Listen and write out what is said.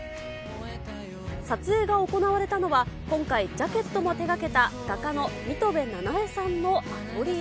撮影が行われたのは今回、ジャケットも手がけた画家の水戸部七絵さんのアトリエ。